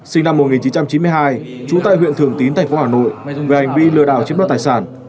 sinh năm một nghìn chín trăm chín mươi hai trú tại huyện thường tín tp hà nội về hành vi lừa đảo chiếm đoạt tài sản